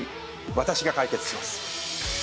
私が解決します